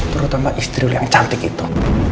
terutama istri lo yang cantik itu